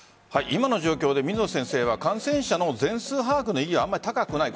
今の状況で水野先生は感染者の全数把握の意義はあまり高くない。